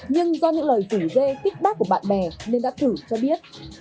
nhưng do những lời rủ dê tích bác của bạn bè nên đã thử cho biết